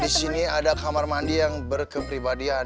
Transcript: di sini ada kamar mandi yang berkepribadian